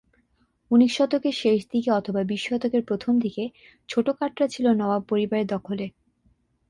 উনিশ শতকের শেষ দিকে অথবা বিশ শতকের প্রথম দিকে ছোট কাটরা ছিল নবাব পরিবারের দখলে।